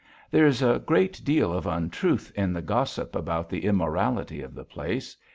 There is a great deal of untruth in the gossip about the immorality of the place.